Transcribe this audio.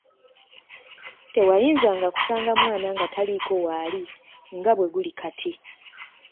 Tewayinzanga kusanga mwana nga taliiko w'ali nga bwe guli kati.